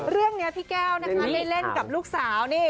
เรื่องนี้พี่แก้วนะคะได้เล่นกับลูกสาวนี่